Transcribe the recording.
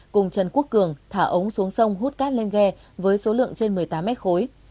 cùng trần quốc cường thả ống xuống sông hút cát lên ghe với số lượng trên một mươi tám mét khối